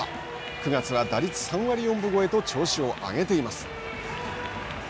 ９月は打率３割４分超えと調子を上げています。